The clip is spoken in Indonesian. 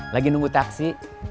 lagi nunggu taksi